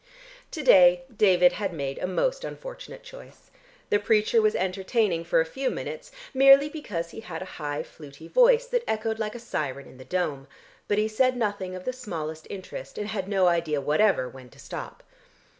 To day David had made a most unfortunate choice. The preacher was entertaining for a few minutes merely because he had a high fluty voice that echoed like a siren in the dome, but he said nothing of the smallest interest, and had no idea whatever when to stop.